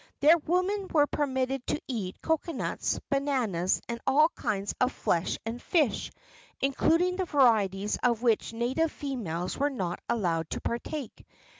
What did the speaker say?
Their women were permitted to eat cocoanuts, bananas, and all kinds of flesh and fish, including the varieties of which native females were not allowed to partake.